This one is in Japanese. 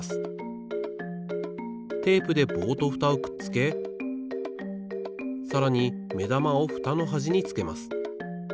テープで棒とフタをくっつけさらにめだまをフタのはじにつけます。